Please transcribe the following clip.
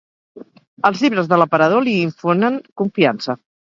Els llibres de l'aparador li infonen confiança.